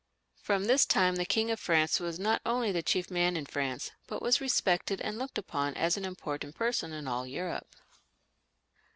From this time the King of France was not only the chief man in France, but was respected and looked upon as an im portant person Iq all Europe.